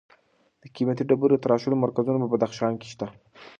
د قیمتي ډبرو د تراشلو مرکزونه په بدخشان کې شته.